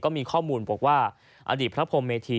มีข้อมูลบอกว่าอดีตพระพรมเมธี